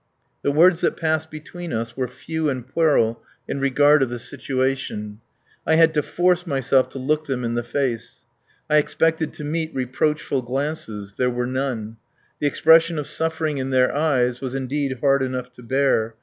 The words that passed between us were few and puerile in regard of the situation. I had to force myself to look them in the face. I expected to meet reproachful glances. There were none. The expression of suffering in their eyes was indeed hard enough to bear.